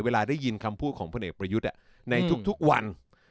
ได้ยินคำพูดของพลเอกประยุทธ์ในทุกวัน